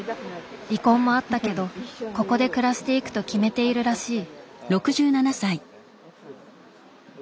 離婚もあったけどここで暮らしていくと決めているらしい。